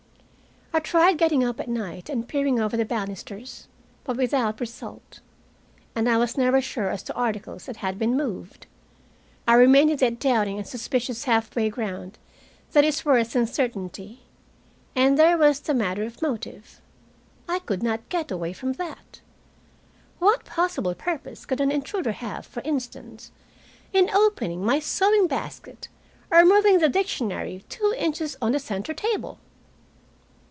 I tried getting up at night and peering over the banisters, but without result. And I was never sure as to articles that they had been moved. I remained in that doubting and suspicious halfway ground that is worse than certainty. And there was the matter of motive. I could not get away from that. What possible purpose could an intruder have, for instance, in opening my sewing basket or moving the dictionary two inches on the center table?